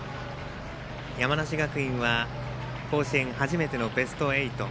山梨学院は甲子園初めてのベスト８。